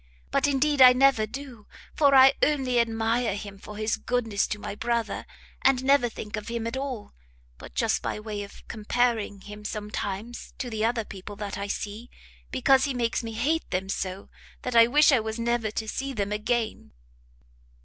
But indeed I never do; for I only admire him for his goodness to my brother, and never think of him at all, but just by way of comparing him, sometimes, to the other people that I see, because he makes me hate them so, that I wish I was never to see them again."